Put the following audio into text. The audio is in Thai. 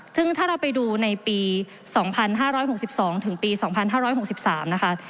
ซึ่งถ้าเราไปดูในปี๒๕๖๒ถึงปี๒๕๖๓นะคะ